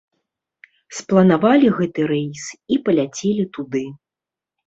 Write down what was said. Спланавалі гэты рэйс і паляцелі туды.